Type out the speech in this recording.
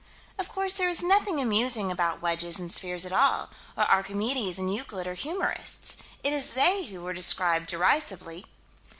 Of course there is nothing amusing about wedges and spheres at all or Archimedes and Euclid are humorists. It is that they were described derisively.